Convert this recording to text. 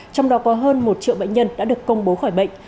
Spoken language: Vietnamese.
trong đó có hơn một triệu bệnh nhân đã được công bố khỏi bệnh